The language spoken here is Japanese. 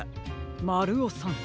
まるおさん。